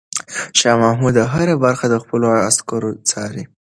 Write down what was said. شاه محمود هره برخه د خپلو عسکرو څاري.